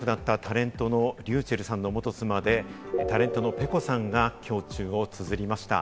おととい亡くなったタレントのｒｙｕｃｈｅｌｌさんの元妻でタレントのｐｅｃｏさんが胸中をつづりました。